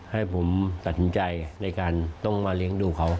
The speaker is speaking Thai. ให้ผมตัดสินใจในการต้องมาเลี้ยงดูเขา